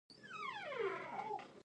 زه له مشرانو څخه ادب زده کوم.